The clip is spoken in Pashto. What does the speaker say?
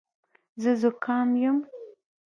زه زوکام یم